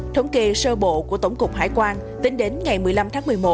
thống kê sơ bộ của tổng cục hải quan tính đến ngày một mươi năm tháng một mươi một